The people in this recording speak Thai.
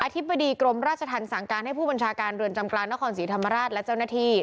ธิบดีกรมราชธรรมสั่งการให้ผู้บัญชาการเรือนจำกลางนครศรีธรรมราชและเจ้าหน้าที่